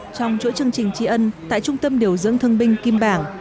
trong chuỗi chương trình tri ân tại trung tâm điều dưỡng thương binh kim bảng